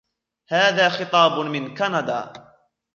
هذا خطاب من كندا.